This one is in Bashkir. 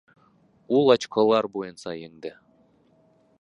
Ул очколар буйынса еңде